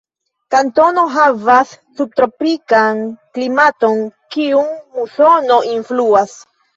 Kantono havas subtropikan klimaton, kiun musono influas.